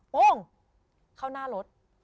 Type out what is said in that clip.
โป้งเข้าหน้ารถ